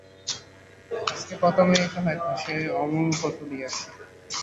আর কত মেয়েকে হয়তো সে অমল কত দিয়াছে।